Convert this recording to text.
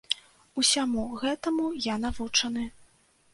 Усяму гэтаму я навучаны.